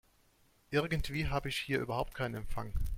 Irgendwie habe ich hier überhaupt keinen Empfang.